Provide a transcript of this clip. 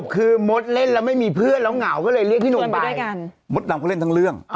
ก็เล่นทั้งเรื่อง